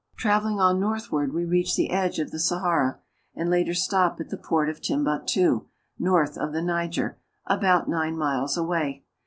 Traveling on northward, we reach the edge of the Sahara, and later stop at the port of Timbuktu, north of the Niger, about nine miles away.